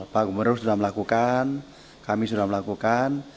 pak gubernur sudah melakukan kami sudah melakukan